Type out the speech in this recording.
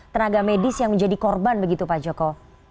tenaga medis yang menjadi korban begitu pak joko